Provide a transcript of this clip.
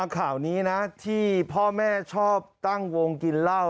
ข่าวนี้นะที่พ่อแม่ชอบตั้งวงกินเหล้า